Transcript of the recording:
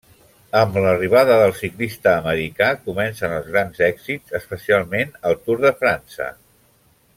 Amb l'arribada del ciclista americà comencen els grans èxits, especialment al Tour de França.